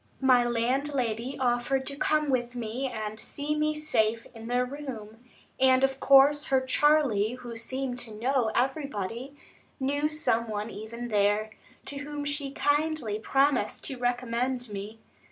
My landlady offered to come with me and see me safe in the room; and of course her Charley, who seemed to know everybody, knew some one even there, to whom she kindly promised to recommend me.